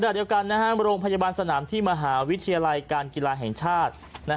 เดียวกันโรงพยาบาลสนามที่มหาวิทยาลัยการกีฬาแห่งชาติ